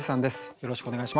よろしくお願いします。